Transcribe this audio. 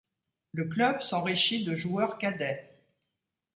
Le club s’enrichit de joueurs cadets.